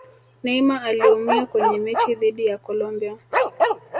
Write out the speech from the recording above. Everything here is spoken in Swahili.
neymar aliumia kwenye mechi dhidi ya Colombia